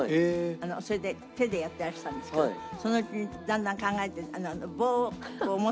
それで手でやってらしたんですけどそのうちにだんだん考えて棒をこう持ってて。